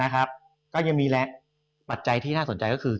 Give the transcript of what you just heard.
ก็ยังมีปัจจัยที่น่าสนใจก็คือ